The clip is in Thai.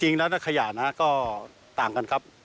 จริงแล้วขยะนะก็ต่างกันครับ